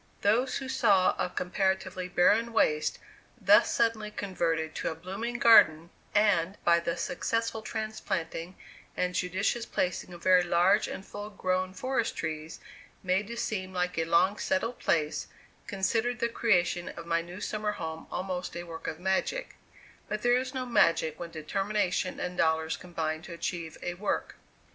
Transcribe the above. Those who saw a comparatively barren waste thus suddenly converted to a blooming garden, and, by the successful transplanting and judicious placing of very large and full grown forest trees, made to seem like a long settled place, considered the creation of my new summer home almost a work of magic; but there is no magic when determination and dollars combine to achieve a work.